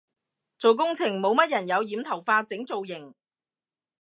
做工程冇乜人有染頭髮整造型